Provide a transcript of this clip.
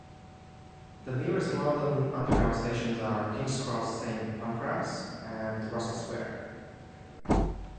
The nearest London Underground stations are King's Cross Saint Pancras and Russell Square.